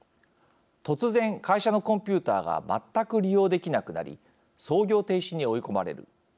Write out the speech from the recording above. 突然、会社のコンピューターが全く利用できなくなり操業停止に追い込まれる。